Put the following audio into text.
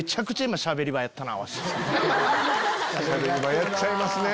あれ『しゃべり場』やったよ。